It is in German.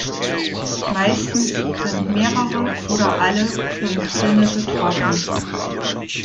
Meistens sind mehrere oder alle fünf Sinne betroffen.